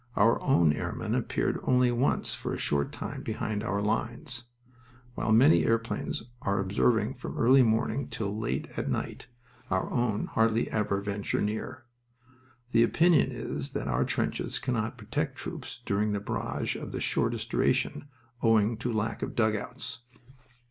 Our own airmen appeared only once for a short time behind our lines. "While many airplanes are observing from early morning till late at night, our own hardly ever venture near. The opinion is that our trenches cannot protect troops during a barrage of the shortest duration, owing to lack of dugouts.